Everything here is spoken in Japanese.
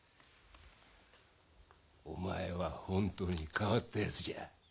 お前は本当に変わったやつじゃ。